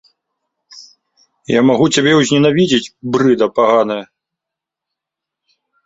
Я магу цябе ўзненавідзець, брыда паганая!